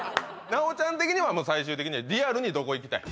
奈央ちゃん的には最終的にはリアルにどこいきたい？